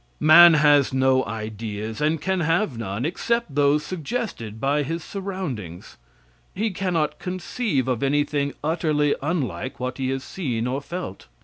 Man has no ideas, and can have none, except those suggested by his surroundings. He cannot conceive of anything utterly unlike what he has seen or felt.